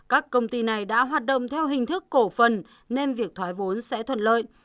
các công ty này đã hoạt động theo hình thức cổ phần nên việc thoái vốn sẽ thuận lợi